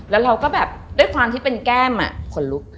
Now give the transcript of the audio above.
แล้วเราก็แบบด้วยความที่เป็นแก้มขนลุก